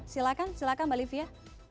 silakan silakan mbak livia